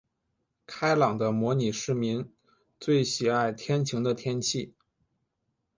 开朗的模拟市民最喜爱天晴的天气。